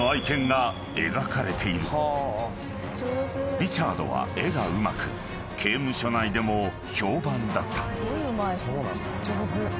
［リチャードは絵がうまく刑務所内でも評判だった］